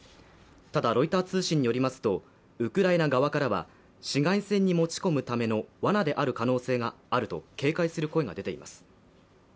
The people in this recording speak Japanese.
ただロイター通信によりますとウクライナ側からは市街戦に持ち込むための罠である可能性があると警戒する声が出ています